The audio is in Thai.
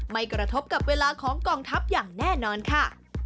ไม่กระทบกับเวลาของกองทัพอย่างแน่นอนค่ะ